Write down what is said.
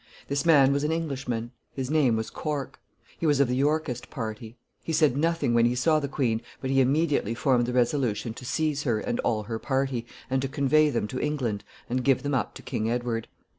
This man was an Englishman. His name was Cork. He was of the Yorkist party. He said nothing when he saw the queen, but he immediately formed the resolution to seize her and all her party, and to convey them to England and give them up to King Edward.